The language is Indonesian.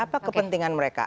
apa kepentingan mereka